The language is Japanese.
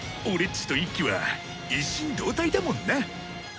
俺っちと一輝は一心同体だもんな。